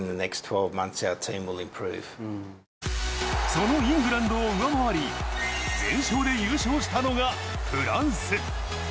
そのイングランドを上回り、全勝で優勝したのがフランス。